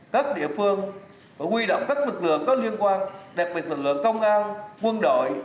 các địa phương và huy động các lực lượng có liên quan đặc biệt là lực lượng công an quân đội